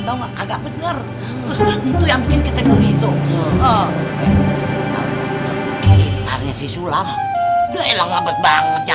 tahu enggak ada bener itu yang bikin kita gitu oh ternyata si sulam dahila ngobet banget sirop